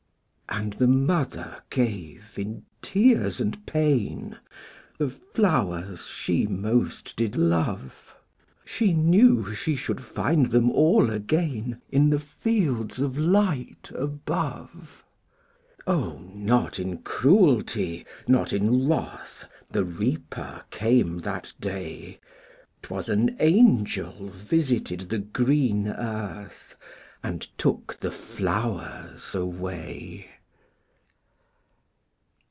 '' And the mother gave, in tears and pain, The flowers she most did love; She knew she should find them all again In the fields of light above. O, not in cruelty, not in wrath, The Reaper came that day; 'Twas an angel visited the green earth, And took the flowers away.